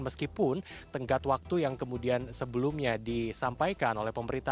meskipun tenggat waktu yang kemudian sebelumnya disampaikan oleh pemerintah